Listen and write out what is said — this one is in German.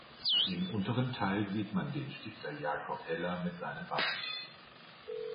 Im unteren Teil sieht man den Stifter Jakob Heller mit seinem Wappen.